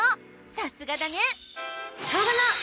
さすがだね！